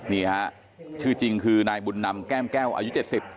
นี่ฮะชื่อจริงคือนายบุญนำแก้มแก้วอายุ๗๐